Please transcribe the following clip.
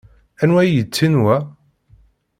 Anwa ay yettin wa?